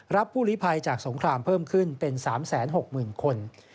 ผู้ลิภัยจากสงครามเพิ่มขึ้นเป็น๓๖๐๐๐คน